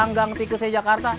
ganggang tikusnya jakarta